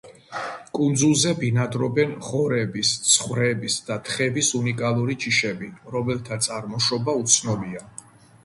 კუნძულზე ბინადრობენ ღორების, ცხვრების და თხების უნიკალური ჯიშები, რომელთა წარმოშობა უცნობია.